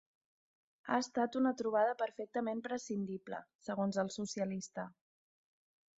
Ha estat una trobada ‘perfectament prescindible’, segons el socialista.